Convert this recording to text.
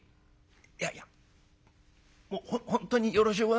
「いやいやもう本当によろしゅうございます。